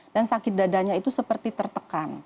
dan sakit dadanya itu seperti tertekan